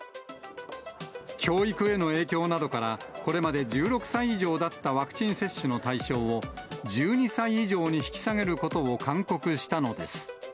教育への影響などから、これまで１６歳以上だったワクチン接種の対象を、１２歳以上に引き下げることを勧告したのです。